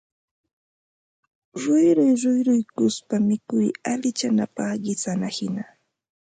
ruyruykuspa mikuy allichanapaq, qisanahina